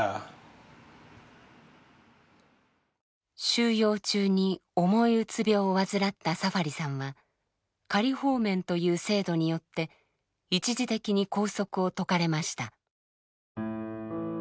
収容中に重いうつ病を患ったサファリさんは「仮放免」という制度によって一時的に拘束を解かれました。